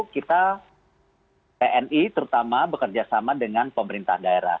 kita tni terutama bekerjasama dengan pemerintah daerah